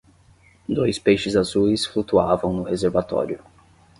Dois peixes azuis flutuavam no reservatório.